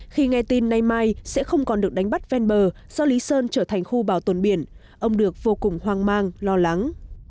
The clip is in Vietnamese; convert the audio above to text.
khi nghe tin nay mai sẽ không còn được đánh bắt ven bờ do lý sơn trở thành khu bảo tồn biển ông được vô cùng hoang mang lo lắng